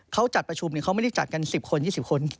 เขาจัดประชุมเขาไม่ได้จัดกัน๑๐คน๒๐คน